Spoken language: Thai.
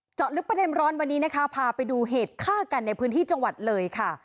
เจาะลึกประเด็นร้อนวันนี้นะคะพาไปดูเหตุฆ่ากันในพื้นที่จังหวัดเลยค่ะ